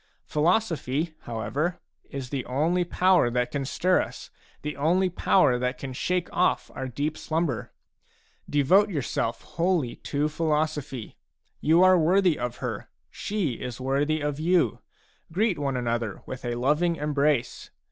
Philosophy, however, is the only power that can stir us, the only power that can shake off our deep slumber. Devote your self wholly to philosophy. You are worthy of her ; she is worthy of you ; greet one another with a loving embrace.